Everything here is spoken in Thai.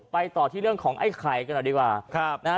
ต่อที่เรื่องของไอ้ไข่กันหน่อยดีกว่าครับนะฮะ